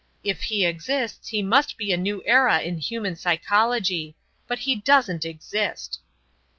If he exists he must be a new era in human psychology. But he doesn't exist."